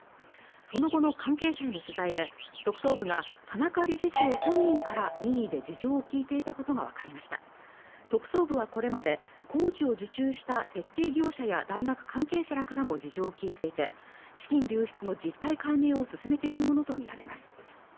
その後の関係者への取材で特捜部が田中理事長本人から任意で事情を聞いていたことが分かりました特捜部はこれまで工事を受注した設計業者や大学関係者らからも事情を聞いていて資金流出の実態解明を進めているものと見られます